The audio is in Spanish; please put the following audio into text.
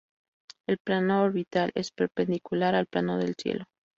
El plano orbital es perpendicular al plano del cielo.